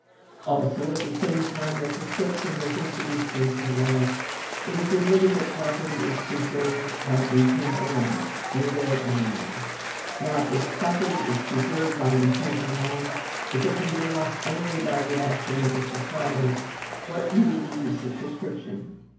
Also, at the same time that prescription was introduced into the laws, it was admitted that property is preserved by intent alone, nudo animo. Now, if property is preserved by intent alone, if it can be lost only by the action of the proprietor, what can be the use of prescription?